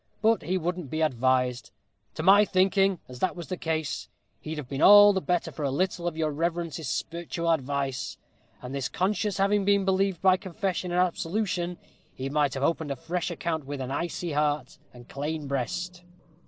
But he wouldn't be advised. To my thinking, as that was the case, he'd have been all the better for a little of your reverence's sperretual advice; and his conscience having been relieved by confession and absolution, he might have opened a fresh account with an aisy heart and clane breast."